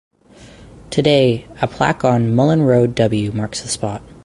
Today a plaque on Mullan Road W. marks the spot.